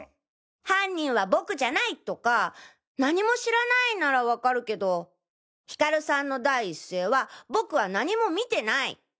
「犯人は僕じゃない」とか「何も知らない」なら分かるけどヒカルさんの第一声は「ボクは何も見てない」。